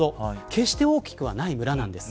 決して大きくはない村なんです。